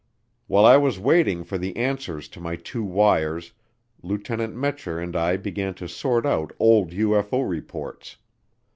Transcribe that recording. While I was waiting for the answers to my two wires, Lieutenant Metscher and I began to sort out old UFO reports.